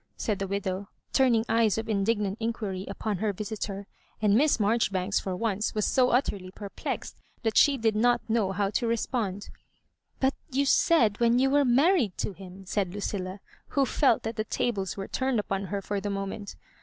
said the widow, turning eyes of indignant inquiry upon hct visitor; and Miss Marjoribanks for once was so utterly perplexed that she did not know ^j?w to respond. " But you said when you were married to him," said Lucilla, who felt that the tables were turned upon her for the moment.